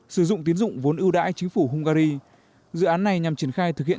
sử dụng tiến dụng vốn ưu đãi chính phủ hungary dự án này nhằm triển khai thực hiện